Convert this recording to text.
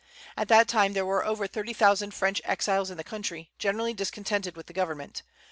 At that time there were over thirty thousand French exiles in the country, generally discontented with the government.